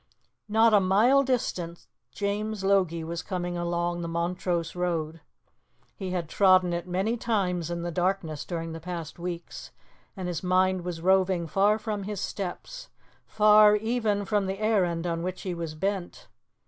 Not a mile distant, James Logie was coming along the Montrose road. He had trodden it many times in the darkness during the past weeks, and his mind was roving far from his steps, far even from the errand on which he was bent.